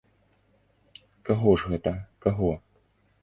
Каго ж гэта, каго?